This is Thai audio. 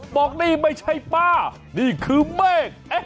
บอกนี่ไม่ใช่ป้านี่คือเมฆ